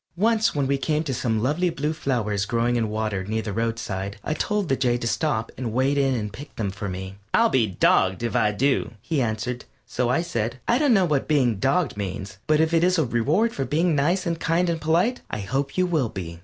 Once when we came to some lovely blue flowers growing in water near the roadside I told the Jay to stop and wade in and pick them for me. "I'll be dogged if I do," he answered; so I said: "I don't know what being 'dogged' means, but if it is a reward for being nice and kind and polite, I hope you will be."